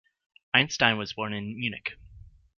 Einstein was born in Munich.